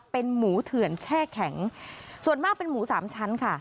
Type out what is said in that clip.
เป็นหมูเถื่อนแช่แข็งส่วนมากเป็นหมูสามชั้นค่ะ